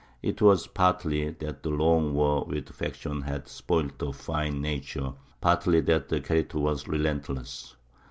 It was partly that the long war with faction had spoilt a fine nature; partly that the character was relentless.